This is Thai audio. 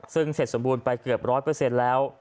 ซึ่งเสร็จสมบูรณ์ไปเกือบร้อยเปอร์เซ็นต์แล้ว